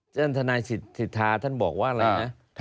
เช่นธนายศิษฐาท่านบอกว่าอะไรเนี่ย